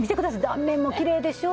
断面もきれいでしょ。